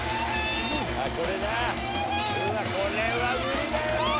これなこれは無理だよ